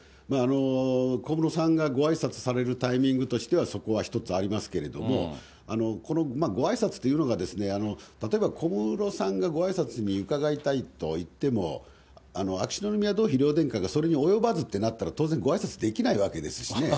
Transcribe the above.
小室さんがごあいさつされるタイミングとしては、そこは一つありますけれども、このごあいさつというのが、例えば小室さんがごあいさつに伺いたいと言っても、秋篠宮妃殿下がそれに及ばずってなったら、当然ごあいさつできないですしね。